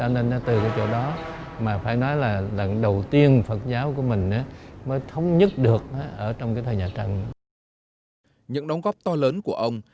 những đóng góp to lớn của ông